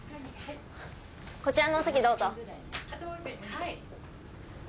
こちらのお席どうぞ。